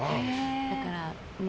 だから。